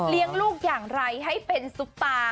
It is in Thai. เลี้ยงลูกอย่างไรให้เป็นซุปป้า